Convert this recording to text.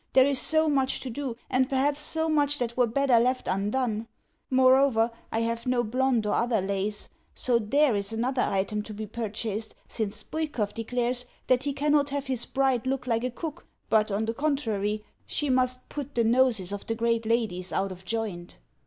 There is so much to do, and, perhaps, so much that were better left undone! Moreover, I have no blond or other lace; so THERE is another item to be purchased, since Bwikov declares that he cannot have his bride look like a cook, but, on the contrary, she must "put the noses of the great ladies out of joint."